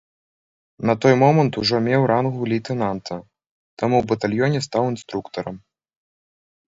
На той момант ужо меў рангу лейтэнанта, таму ў батальёне стаў інструктарам.